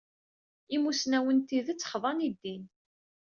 Imussnawen n tidet xḍan i ddin.